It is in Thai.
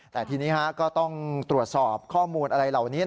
แต่ทีนี้ก็ต้องตรวจสอบข้อมูลอะไรเหล่านี้